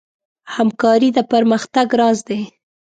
همکاري د پرمختګ راز دی.